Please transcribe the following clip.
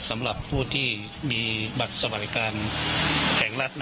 สำหรับผู้ที่มีบัตรสวัสดิการแห่งรัฐ